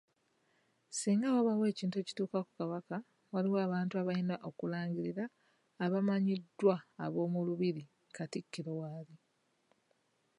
Ssinga wabaawo ekintu ekituuka ku Kabaka, waliwo abantu abalina okulangirira abamanyiddwa ab’omulubiri, Katikkiro w'ali.